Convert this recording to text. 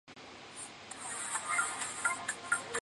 这对鞋子才三百三十。